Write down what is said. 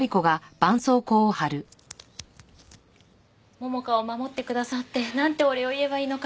桃香を守ってくださってなんてお礼を言えばいいのか。